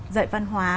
dạy văn hóa